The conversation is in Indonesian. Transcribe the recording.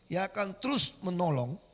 yang akan terus menolong